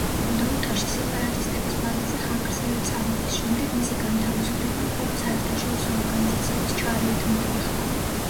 გუდაუთაში სეპარატისტების ბაზაზე ხანგრძლივი წამების შემდეგ მისი განთავისუფლება მხოლოდ საერთაშორისო ორგანიზაციების ჩარევით მოხერხდა.